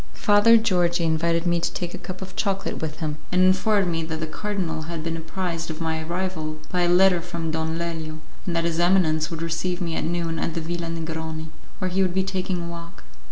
Father Georgi invited me to take a cup of chocolate with him, and informed me that the cardinal had been apprised of my arrival by a letter from Don Lelio, and that his eminence would receive me at noon at the Villa Negroni, where he would be taking a walk.